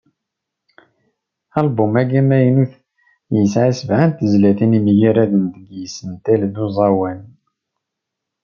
Album-agi amaynut, yesɛa sebεa n tezlatin yemgaraden deg yisental d uẓawan.